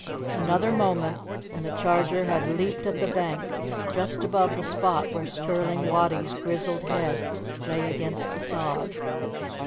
Another moment and the charger had leaped at the bank, just above the spot where Skirling Wattie's grizzled head lay against the sod.